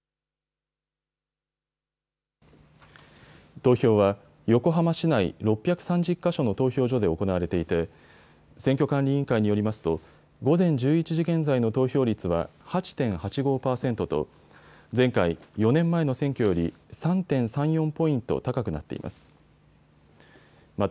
投票は、横浜市内６３０か所の投票所で行われていて選挙管理委員会によりますと午前１１時現在の投票率は８．８５％と前回４年前の選挙より３．３４ポイント高くなっています。